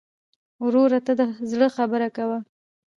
ورور ته د زړه خبره کوې.